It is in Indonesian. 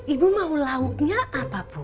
ibu mau lauknya apa bu